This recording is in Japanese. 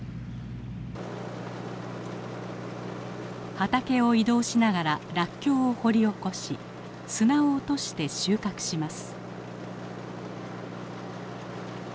畑を移動しながららっきょうを掘り起こし砂を落として収穫します。